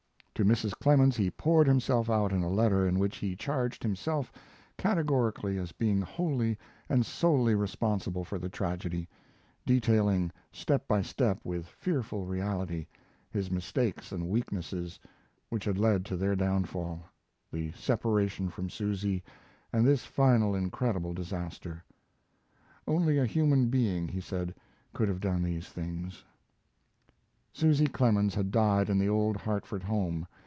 To Mrs. Clemens he poured himself out in a letter in which he charged himself categorically as being wholly and solely responsible for the tragedy, detailing step by step with fearful reality his mistakes and weaknesses which had led to their downfall, the separation from Susy, and this final incredible disaster. Only a human being, he said, could have done these things. Susy Clemens had died in the old Hartford home.